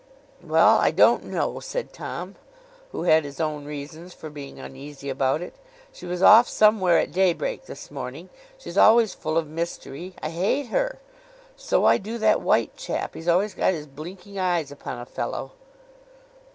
'Well! I don't know,' said Tom, who had his own reasons for being uneasy about it. 'She was off somewhere at daybreak this morning. She's always full of mystery; I hate her. So I do that white chap; he's always got his blinking eyes upon a fellow.